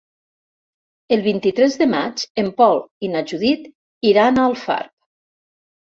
El vint-i-tres de maig en Pol i na Judit iran a Alfarb.